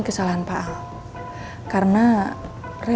hai tapi saat itu rena pergi dan berada